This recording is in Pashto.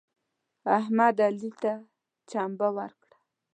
احمد علي ته چمبه ورکړه.